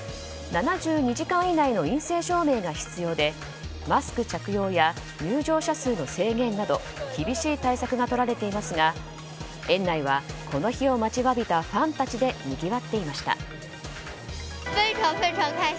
７２時間以内の陰性証明が必要でマスク着用や入場者数の制限など厳しい対策がとられていますが園内はこの日を待ちわびたファンたちでにぎわっていました。